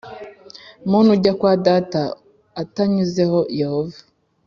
muntu ujya kwa Data atanyuzeho Yohana